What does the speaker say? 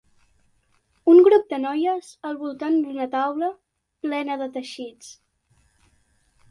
Un grup de noies al voltant d'una taula plena de teixits.